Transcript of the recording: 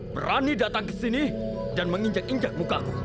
berani datang ke sini dan menginjak injak mukaku